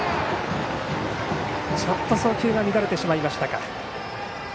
ちょっと送球が乱れてしまいましたか。